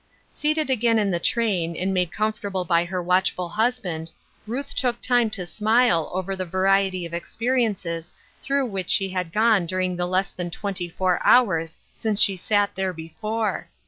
Seated again in the train, and made comfort able by her watchful husband, Ruth took time to smile over the variety of experiences through which she had gone during the less than twenty four hours since she sat there before.